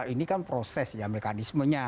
ini kan proses ya mekanismenya